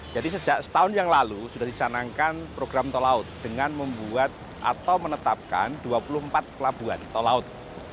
jadi sejak setahun yang lalu sudah disanangkan program tol laut dengan membuat atau menetapkan dua puluh empat pelabuhan tol laut